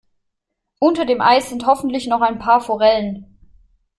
Unter dem Eis sind hoffentlich noch ein paar Forellen.